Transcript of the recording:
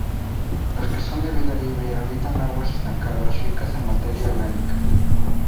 Los que son de vida libre habitan aguas estancadas ricas en materia orgánica.